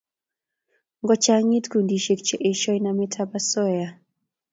ngo changait kundishek che eshoy namet ab asoya